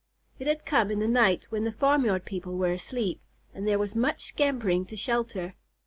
It had come in the night when the farmyard people were asleep, and there was much scampering to shelter.